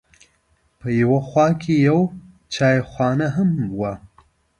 په یوه خوا کې یوه چایخانه هم وه.